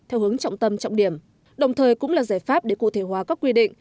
theo hướng trọng tâm trọng điểm đồng thời cũng là giải pháp để cụ thể hóa các quy định